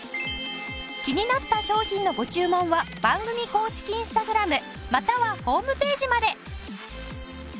気になった商品のご注文は番組公式インスタグラムまたはホームページまで。